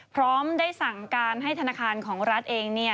พร้อมได้สั่งการให้ธนาคารของรัฐเอง